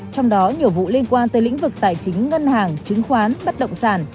trong đó nhiều vụ liên quan tới lĩnh vực tài chính ngân hàng chứng khoán bất động sản